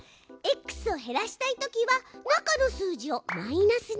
Ｘを減らしたいときは中の数字をマイナスに。